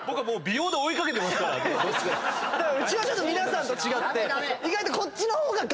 だからうちはちょっと皆さんと違って意外と。